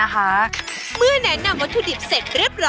เท่านี้เหรอคะ